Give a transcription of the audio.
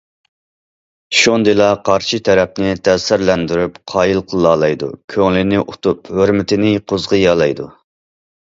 شۇندىلا قارشى تەرەپنى تەسىرلەندۈرۈپ، قايىل قىلالايدۇ، كۆڭلىنى ئۇتۇپ، ھۆرمىتىنى قوزغىيالايدۇ.